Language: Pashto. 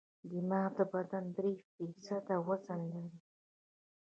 دماغ د بدن درې فیصده وزن لري.